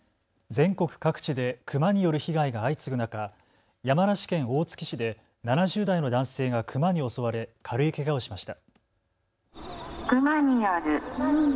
全国各地でクマによる被害が相次ぐ中、山梨県大月市で７０代の男性がクマに襲われ軽いけがをしました。